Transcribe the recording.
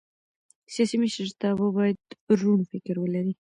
سیاسي مشرتابه باید روڼ فکر ولري